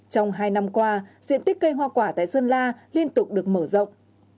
trong hai năm qua diện tích cây hoa quả tại sơn la liên tục được mở rộng